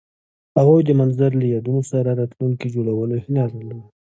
هغوی د منظر له یادونو سره راتلونکی جوړولو هیله لرله.